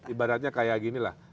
ibaratnya kayak ginilah